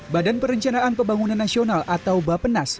badan perencanaan pembangunan nasional atau bapenas